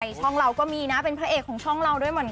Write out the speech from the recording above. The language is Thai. ช่องเราก็มีนะเป็นพระเอกของช่องเราด้วยเหมือนกัน